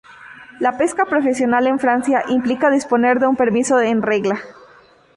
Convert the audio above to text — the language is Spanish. La pesca profesional en Francia implica disponer de un permiso en regla.